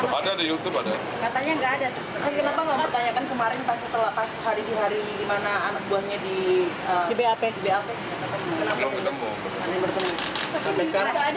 kalau tidak ada saya sering tahu bila akan membedakan ahmad dhani